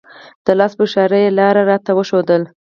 د لاس په اشاره یې لاره راته وښودله.